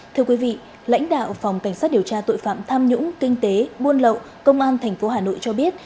thưa quý vị lãnh đạo phòng cảnh sát điều tra tội phạm tham nhũng kinh tế buôn lậu công an tp hà nội cho biết